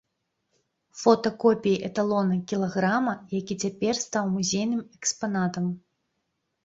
Фота копіі эталона кілаграма, які цяпер стаў музейным экспанатам.